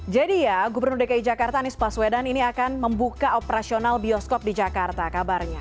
jadi ya gubernur dki jakarta anies paswedan ini akan membuka operasional bioskop di jakarta kabarnya